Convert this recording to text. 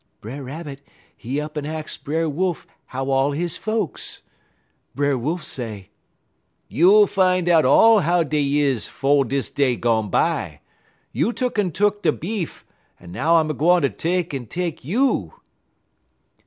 "Brer Rabbit, he up'n ax Brer Wolf how all his folks. Brer Wolf say: "'You'll fin' out how dey all is 'fo' dis day gone by. You took'n took de beef, en now I'm a gwine ter take'n take you.'